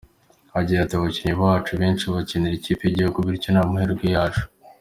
Agira ati: “Abakinnyi bacu benshi bakinira ikipe y’igihugu bityo ni amahirwe yacu.